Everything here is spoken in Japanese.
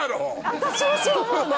私もそう思うな。